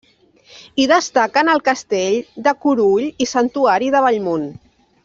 Hi destaquen el Castell de Curull i Santuari de Bellmunt.